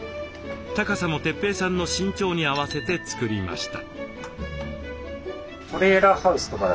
高さも哲平さんの身長に合わせて作りました。